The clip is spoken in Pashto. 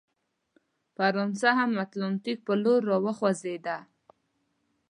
فرانسه هم اتلانتیک په لور راوخوځېده.